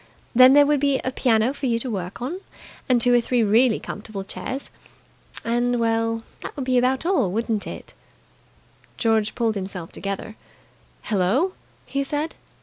Then there would be a piano for you to work on, and two or three really comfortable chairs. And well, that would be about all, wouldn't it?" George pulled himself together. "Hello!" he said.